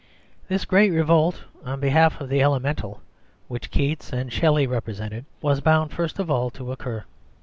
This great revolt on behalf of the elemental which Keats and Shelley represented was bound first of all to occur.